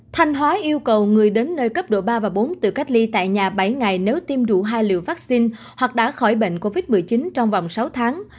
thanh hóa yêu cầu người đến nơi cấp độ ba và bốn tự cách ly tại nhà bảy ngày nếu tiêm đủ hai liều vaccine hoặc đã khỏi bệnh covid một mươi chín trong vòng sáu tháng